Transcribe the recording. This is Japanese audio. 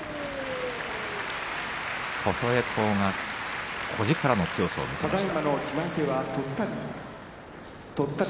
琴恵光が小力の強さを見せました。